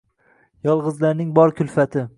Yolg’izlarning bor kulfati